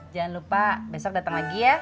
jangan lupa besok datang lagi ya